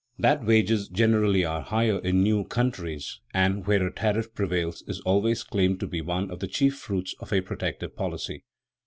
That wages generally are higher in new countries and where a tariff prevails is always claimed to be one of the chief fruits of a protective policy.